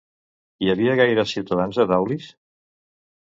Hi havia gaires ciutadans a Daulis?